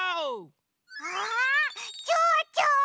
わあちょうちょ！